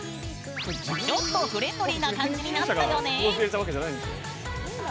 ちょっとフレンドリーな感じになったよね。